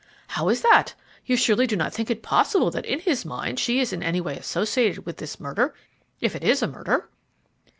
"How is that? You surely do not think it possible that in his mind she is in any way associated with this murder if it is a murder?"